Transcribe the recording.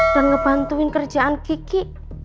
dan ngebantuin kerjaan kiki